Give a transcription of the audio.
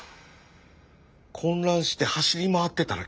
混乱して走り回ってたら急に。